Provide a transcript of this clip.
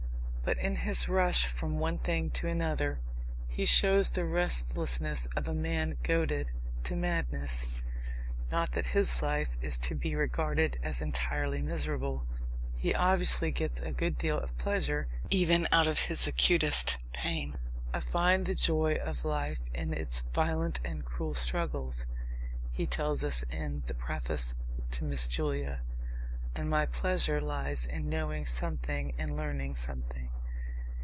But in his rush from one thing to another he shows the restlessness of a man goaded to madness. Not that his life is to be regarded as entirely miserable. He obviously gets a good deal of pleasure even out of his acutest pain. "I find the joy of life in its violent and cruel struggles," he tells us in the preface to Miss Julia, "and my pleasure lies in knowing something and learning something."